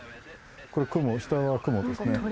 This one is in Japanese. これ下が雲ですね。